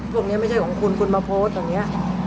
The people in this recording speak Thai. พวกนี้ไม่ใช่ของคุณคุณมาโพสต์อย่างนี้